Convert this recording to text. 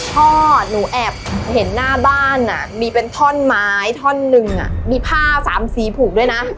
พ่อหนูแอบเห็นหน้าบ้านมีเป็นท่อนไม้ท่อนหนึ่งมีผ้าสามสีผูกด้วยนะ